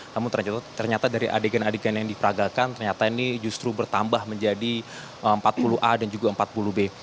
namun ternyata dari adegan adegan yang diperagakan ternyata ini justru bertambah menjadi empat puluh a dan juga empat puluh b